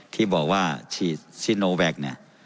ที่บอกว่าฉีดซิโนแวคเนี่ย